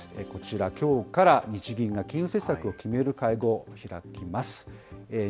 こちら、きょうから日銀が金融政策を決める会合を開きます。